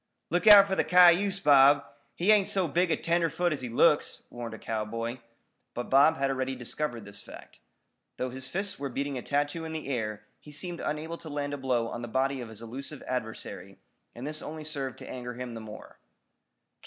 "Look out for the cayuse, Bob. He ain't so big a tenderfoot as he looks," warned a cowboy. But Bob had already discovered this fact. Though his fists were beating a tattoo in the air he seemed unable to land a blow on the body of his elusive adversary, and this only served to anger him the more.